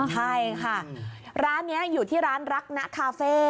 ใช่ค่ะร้านนี้อยู่ที่ร้านรักนะคาเฟ่